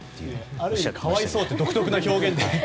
ある意味可哀想って独特の表現で。